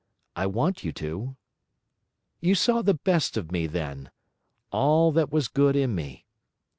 I want you to you saw the best of me then, all that was good in me.